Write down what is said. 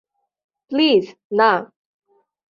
Please, না।